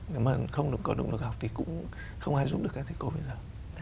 nếu mà không được có động lực học thì cũng không ai giúp được các thầy cô bây giờ